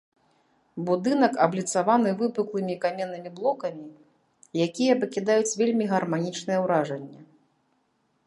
Будынак абліцаваны выпуклымі каменнымі блокамі, якія пакідаюць вельмі гарманічнае ўражанне.